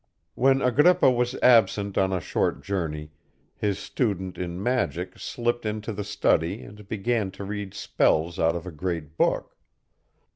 When Agrippa was absent on a short journey, his student in magic slipped into the study and began to read spells out of a great book.